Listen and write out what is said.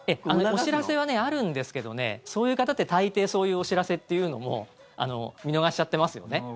お知らせはあるんですけどそういう方って大抵そういうお知らせというのも見逃しちゃってますよね。